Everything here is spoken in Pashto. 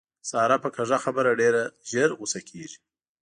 ساره په کږه خبره ډېره زر غوسه کېږي.